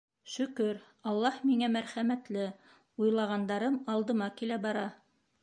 Шөкөр, Аллаһ миңә мәрхәмәтле, уйлағандарым алдыма килә бара.